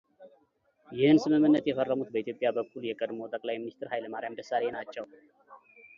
ይህን ስምምነት የፈረሙት በኢትዮጵያ በኩል የቀድሞ ጠቅላይ ሚንስትር ኃይለማርያም ደሳለኝ ናቸው